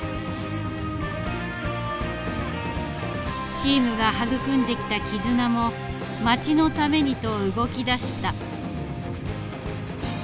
チームが育んできた絆も町のためにと動き出した。